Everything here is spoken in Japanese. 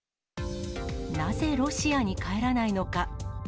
なぜ、ロシアに帰らないのか。